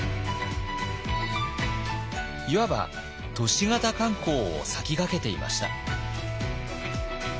いわば都市型観光を先駆けていました。